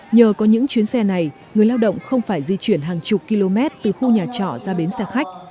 nhờ có những chuyến xe này người lao động không phải di chuyển hàng chục km từ khu nhà trọ ra bến xe khách